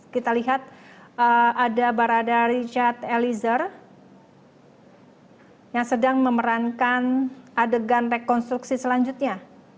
kita lihat ada barada richard eliezer yang sedang memerankan adegan rekonstruksi selanjutnya